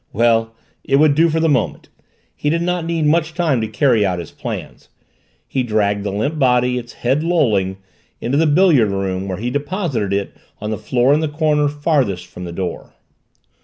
Well it would do for the moment he did not need much time to carry out his plans. He dragged the limp body, its head lolling, into the billiard room where he deposited it on the floor in the corner farthest from the door.